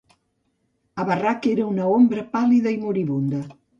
Abarrach era una ombra pàl·lida i moribunda.